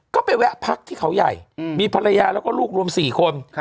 ก็ไปแวะพักที่เขาใหญ่มีภรรยาแล้วก็ลูกรวม๔คน